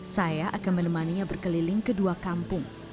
saya akan menemaninya berkeliling kedua kampung